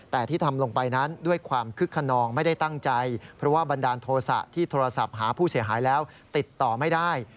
แต่ที่ทำลงไปนั้นด้วยความคึกขนองไม่ได้ตั้งใจเพราะว่าบันดาลโทษะที่โทรศัพท์หาผู้เสียหายแล้วติดต่อไม่ได้